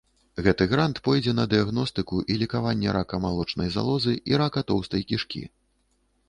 Гэты грант пойдзе на дыягностыку і лекаванне рака малочнай залозы і рака тоўстай кішкі.